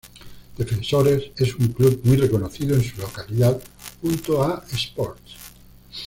Defensores es un club muy reconocido en su localidad, junto a Sports.